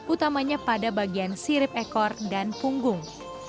utamanya pada bagian sirip ekor dan punggung